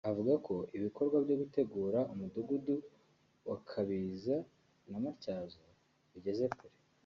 avuga ko ibikorwa byo gutegura umudugudu wa Kabiza na Matyazo bigeze kure